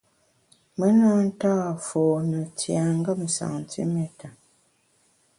Me na nta fone tiengem santiméta.